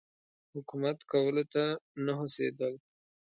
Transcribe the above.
حکومت کولو ته نه هوسېدل.